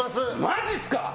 マジっすか？